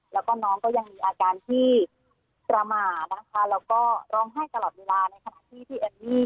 แล้วก็น้องก็ยังมีอาการที่ประมาทนะคะแล้วก็ร้องไห้ตลอดเวลาในขณะที่พี่เอมมี่